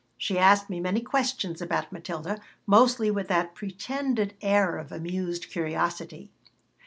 She asked me many questions ahout Matilda, mostly with that pretended air of amused curiosity.